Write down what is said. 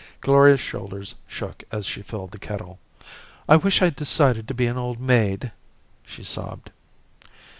Gloria's shoulders shook as she filled the kettle. "I wish I'd decided to be an old maid," she sobbed.